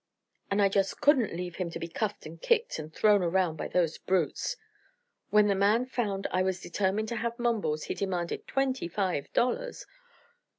And I just couldn't leave him to be cuffed and kicked and thrown around by those brutes. When the man found I was determined to have Mumbles he demanded twenty five dollars."